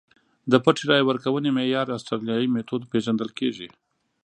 د پټې رایې ورکونې معیار اسټرالیايي میتود پېژندل کېږي.